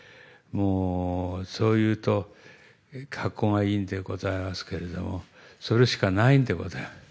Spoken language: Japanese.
もうそう言うと格好がいいんでございますけれども、それしかないんでございます。